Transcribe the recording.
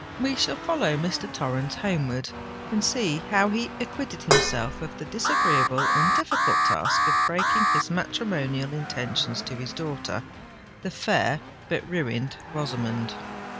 We shall follow Mr. Torrens homeward, and see how he acquitted himself of the disagreeable and difficult task of breaking his matrimonial intentions to his daughter, the fair but ruined Rosamond.